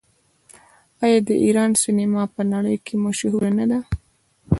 آیا د ایران سینما په نړۍ کې مشهوره نه ده؟